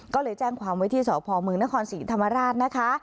ก็เลยแจ้งความไว้ที่สพมนครศรีธรรมราชนะคะ